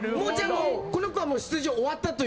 この子は出場終わったと。